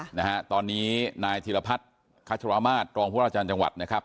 ค่ะนะฮะตอนนี้นายธีรพัฒน์คัชธรมาศตรองพุทธอาจารย์จังหวัดนะครับ